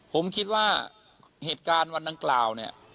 ผมคิดว่าเหตุการณ์วันดังกล่าวเนี่ย